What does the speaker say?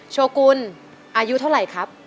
โชกุลอายุเท่าไหร่ครับ